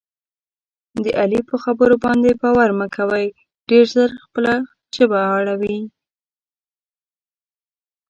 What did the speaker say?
د علي په خبرو باندې باور مه کوئ. ډېر زر خپله ژبه اړوي.